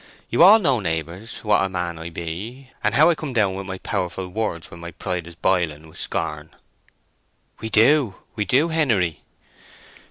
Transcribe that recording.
You all know, neighbours, what a man I be, and how I come down with my powerful words when my pride is boiling wi' scarn?" "We do, we do, Henery."